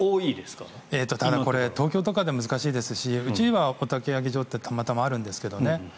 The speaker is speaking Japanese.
東京とかでは難しいですしうちはおたき上げ場ってたまたまあるんですけどね。